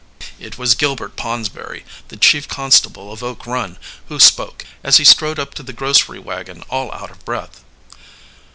It was Gilbert Ponsberry, the chief constable of Oak Run, who spoke, as he strode up to the grocery wagon, all out of breath.